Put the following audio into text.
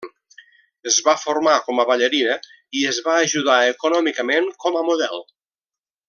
Es va formar com a ballarina i es va ajudar econòmicament com a model.